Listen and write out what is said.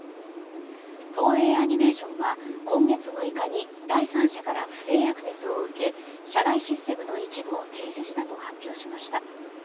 東映アニメーションは今月６日に第三者から不正アクセスを受け社内システムの一部を停止したと発表しました。